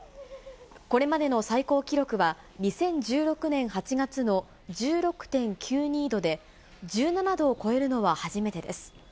これまでの最高記録は２０１６年８月の１６．９２度で、１７度を超えるのは初めてです。